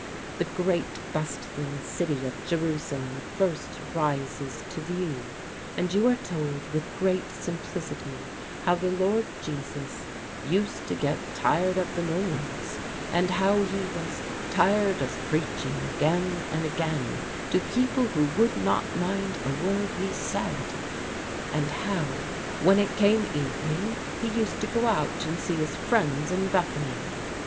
The great bustling city of Jerusalem first rises to view, and you are told, with great simplicity, how the Lord Jesus "used to get tired of the noise;" and how he was "tired of preaching, again and again, to people who would not mind a word he said;" and how, "when it came evening, he used to go out and see his friends in Bethany."